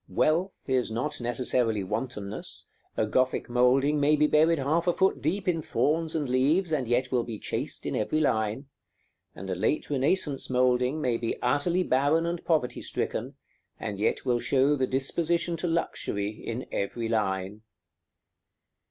Wealth is not necessarily wantonness: a Gothic moulding may be buried half a foot deep in thorns and leaves, and yet will be chaste in every line; and a late Renaissance moulding may be utterly barren and poverty stricken, and yet will show the disposition to luxury in every line.